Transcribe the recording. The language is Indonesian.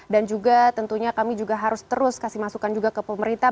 dan juga tentunya kami juga harus terus kasih masukan juga ke pemerintah